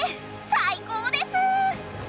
最高です！